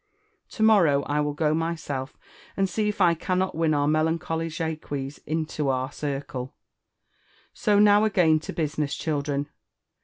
To ^morrow I will go myself and see if I cannot win our pielancholy Jaques inlo otit eircle. So now again to business, children.